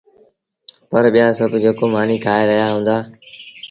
پر ٻيآ سڀ جيڪو مآݩيٚ کآئي رهيآ هُݩدآ